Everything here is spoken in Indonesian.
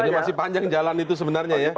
jadi masih panjang jalan itu sebenarnya ya